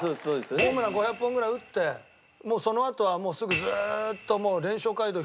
ホームラン５００本ぐらい打ってもうそのあとはすぐずーっと連勝街道